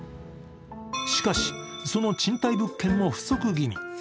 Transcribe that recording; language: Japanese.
しかし、その賃貸物件も不足気味。